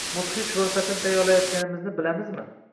mudhish ro‘yxatini tayyorlayotganimizni bilamizmi?